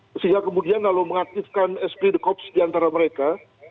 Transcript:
sehingga kemudian lalu mengaktifkan esprit de corps di antara mereka